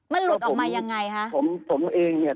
มันหลุดออกมายังไงคะ